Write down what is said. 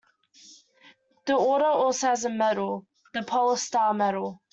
This order also has a medal, "the Polar Star Medal".